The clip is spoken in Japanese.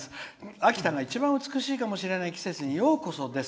秋田が一番美しいかもしれない季節にようこそです。